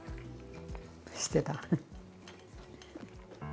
してた。